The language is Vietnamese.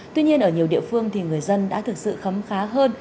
tuy nhiên ở nhiều địa phương thì người dân đã thực sự khấm khá hơn